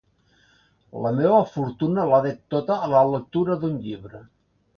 La meua fortuna la dec tota a la lectura d'un llibre.